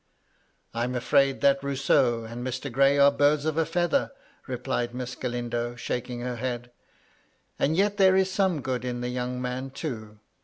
" I'm afraid that Rousseau and Mr. Gray are birds of a feather," replied Miss Galindo, shaking her head. '' And yet there is some good in the young man, too.